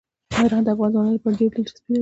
هرات د افغان ځوانانو لپاره ډېره دلچسپي لري.